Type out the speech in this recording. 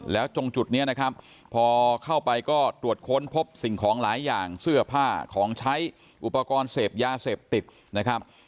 แล้วตรงจุดนี้นะครับพอเข้าไปก็ตรวจค้นพบสิ่งของหลายอย่างเสื้อผ้าของใช้อุปกรณ์เสพยาเสพติดนะครับ